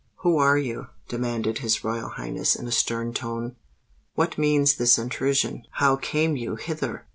"Who are you?" demanded his Royal Highness in a stern tone: "what means this intrusion? how came you hither?"